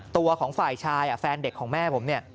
ตัวของฝ่ายชายแฟนเด็กของแม่ผมเนี่ย